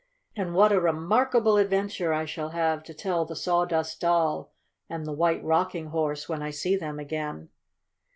"And what a remarkable adventure I shall have to tell the Sawdust Doll and the White Rocking Horse when I see them again!"